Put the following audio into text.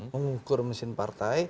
mengukur mesin partai